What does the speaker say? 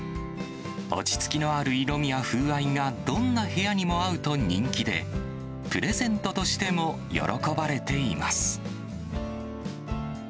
落ち着きのある色味や風合いが、どんな部屋にも合うと人気で、プレゼントとしても喜ばれています。